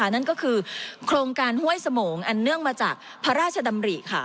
นั่นก็คือโครงการห้วยสมงอันเนื่องมาจากพระราชดำริค่ะ